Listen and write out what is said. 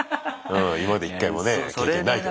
うん今まで１回もね経験ないけど。